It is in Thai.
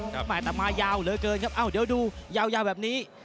แต่มายาวเหลือเกินครับเอ้าเดี๋ยวดูยาวแบบนี้